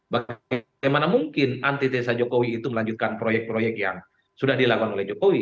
bagaimana mungkin antitesa jokowi itu melanjutkan proyek proyek yang sudah dilakukan oleh jokowi